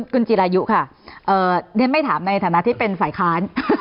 คุณจิรายุค่ะเรียนไม่ถามในฐานะที่เป็นฝ่ายค้าน